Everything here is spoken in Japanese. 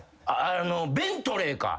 ベントレーか。